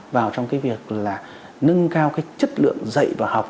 vào trong cái việc là nâng cao cái chất lượng dạy và học